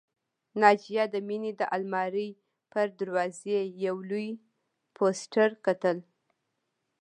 ناجیه د مينې د آلمارۍ پر دروازه یو لوی پوسټر کتل